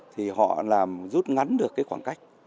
thì họ làm rút ngắn được cái khoảng cách